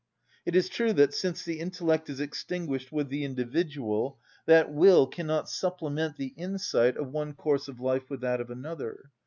It is true that, since the intellect is extinguished with the individual, that will cannot supplement the insight of one course of life with that of another.